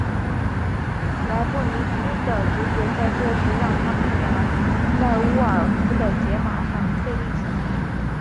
莱布尼兹的直觉在这时让他避免了在沃尔夫的解法上费力气。